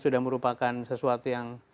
sudah merupakan sesuatu yang